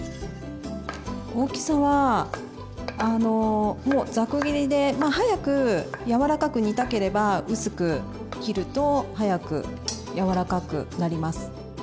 大きさはもうざく切りで早くやわらかく煮たければ薄く切ると早くやわらかくなります。